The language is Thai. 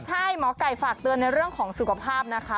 ใช่หมอไก่ฝากเตือนในเรื่องของสุขภาพนะคะ